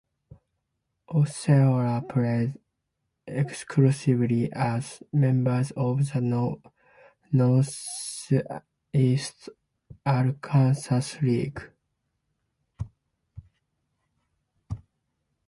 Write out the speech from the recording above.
Osceola played exclusively as members of the Northeast Arkansas League.